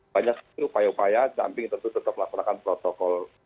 banyak upaya upaya tapi tentu tetap melakukan protokol